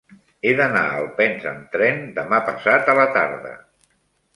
He d'anar a Alpens amb tren demà passat a la tarda.